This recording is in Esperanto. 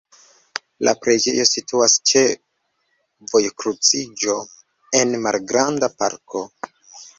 La preĝejo situas ĉe vojkruciĝo en malgranda parko.